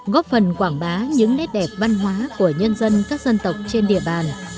góp phần quảng bá những nét đẹp văn hóa của nhân dân các dân tộc trên địa bàn